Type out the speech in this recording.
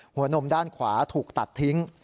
นมด้านขวาถูกตัดทิ้ง